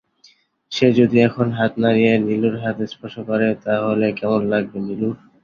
সে যদি এখন হাত বাড়িয়ে নীলুর হাত স্পর্শ করে, তাহলে কেমন লাগবে নীলুর?